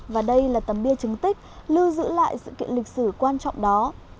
và đây là tấm bia chứng tích lưu giữ lại sự kiện lịch sử quan trọng đó